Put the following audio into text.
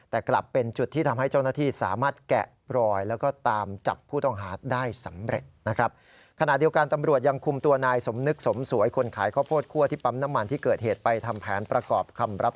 แต่กลับเป็นจุดที่ทำให้เจ้าหน้าที่สามารถแกะปลอย